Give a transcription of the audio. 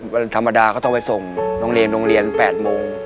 วันธรรมดาก็ต้องไปส่งโรงเรียนต้องไปส่งเนงโกเรียน๘โมง